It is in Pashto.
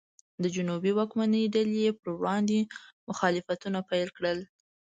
د جنوب واکمنې ډلې یې پر وړاندې مخالفتونه پیل کړل.